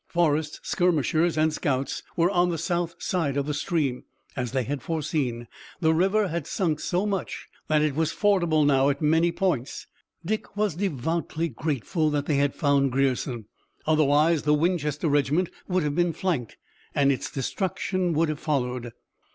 Forrest's skirmishers and scouts were on the south side of the stream. As they had foreseen, the river had sunk so much that it was fordable now at many points. Dick was devoutly grateful that they had found Grierson. Otherwise the Winchester regiment would have been flanked, and its destruction would have followed.